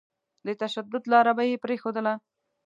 د تشدد لاره به يې پرېښودله.